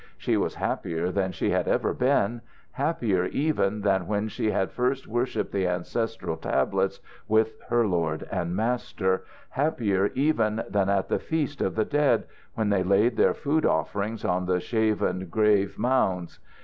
She was happier than she had ever been happier even than when she had first worshiped the ancestral tablets with her lord and master, happier even than at the feast of the dead, when they laid their food offerings on the shaven grave mounds.